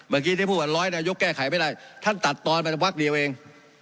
เมื่อกี้ที่พูดว่าร้อยนายกแก้ไขไม่ได้ท่านตัดตอนไปพักเดียวเอง